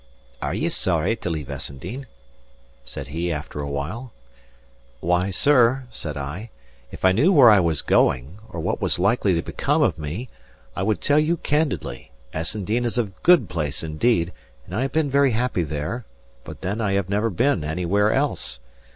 "Are ye sorry to leave Essendean?" said he, after awhile. "Why, sir," said I, "if I knew where I was going, or what was likely to become of me, I would tell you candidly. Essendean is a good place indeed, and I have been very happy there; but then I have never been anywhere else.